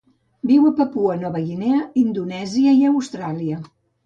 Viu a Papua Nova Guinea, Indonèsia i Austràlia.